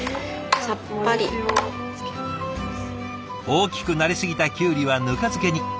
大きくなりすぎたキュウリはぬか漬けに。